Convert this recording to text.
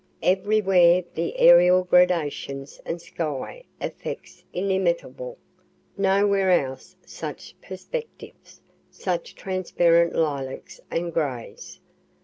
Everywhere the aerial gradations and sky effects inimitable; nowhere else such perspectives, such transparent lilacs and grays.